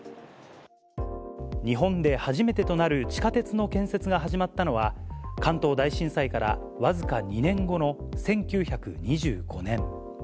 日本で初めてとなる地下鉄の建設が始まったのは、関東大震災から僅か２年後の１９２５年。